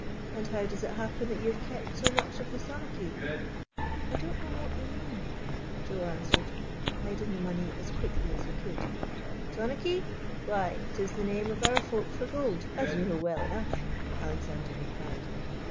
And liow does it happen that you have kept so much of the sonnakie ?"" I don't know what you mean," Joe an swered, hiding the money as quickly as he could. " Sonnakie ? Why, 't is the name of our folk for gold, as you know well enough," Alexander replied.